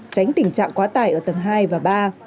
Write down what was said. tránh tình trạng quá tải ở tầng hai và ba